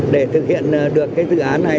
để thực hiện được cái dự án này